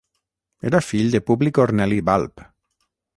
Era fill de Publi Corneli Balb.